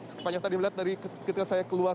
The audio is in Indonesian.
sepanjang tadi melihat dari ketika saya keluar